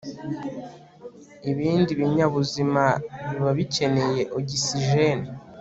ibindi binyabuzima biba bikeye ogisijeni